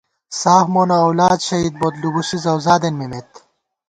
ساف مونہ اؤلاد شہید بوت، لُبُوسی ذؤذادېن ممېت